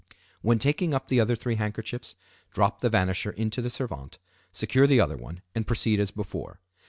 When taking up the other three handkerchiefs, drop the vanisher into the servante, secure the other one, and proceed as before.